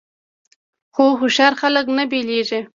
خو هوښیار خلک نه بیلیږي.